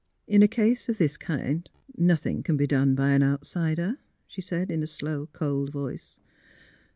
'' In a case of this kind nothing can be done by an outsider, '' she said, in a slow, cold voice.